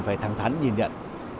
phải thẳng thắn nhìn nhận